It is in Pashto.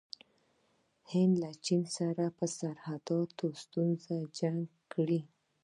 هند له چین سره په سرحدي ستونزه جنګ وکړ.